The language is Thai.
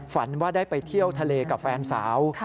ฝันว่าได้ไปเที่ยวทะเลกับแฟนสาว